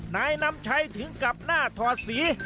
นายนำชัยถึงกลับหน้าถอดสี